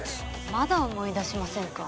まだ思い出しませんか？